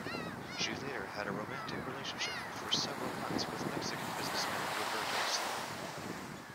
She later had a romantic relationship for several months with Mexican businessman Roberto Slim.